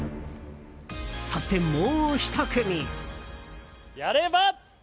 そして、もう１組。